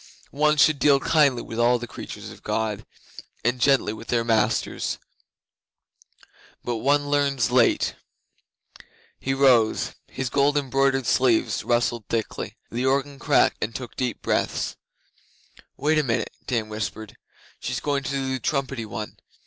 One should deal kindly with all the creatures of God, and gently with their masters. But one learns late.' He rose, and his gold embroidered sleeves rustled thickly. The organ cracked and took deep breaths. 'Wait a minute,' Dan whispered. 'She's going to do the trumpety one.